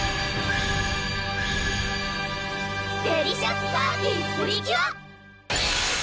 デリシャスパーティプリキュア！